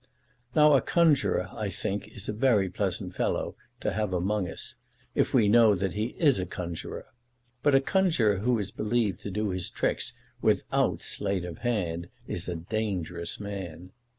Now a conjuror is I think a very pleasant fellow to have among us, if we know that he is a conjuror; but a conjuror who is believed to do his tricks without sleight of hand is a dangerous man.